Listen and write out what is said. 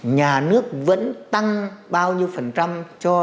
nhà nước vẫn tăng bao nhiêu phần trăm cho người nghỉ hưu